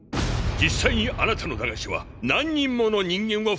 実際にあなたの駄菓子は何人もの人間を不幸にしている。